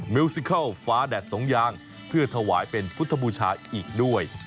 มิวซิเคิลฟ้าแดดสองยางเพื่อถวายเป็นพุทธบูชาอีกด้วย